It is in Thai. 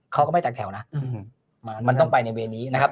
เขาก็ไม่แตกแถวนะมันต้องไปในเวรนี้นะครับ